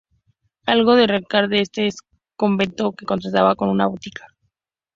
Algo de recalcar de este ex convento, es que contaba con una botica.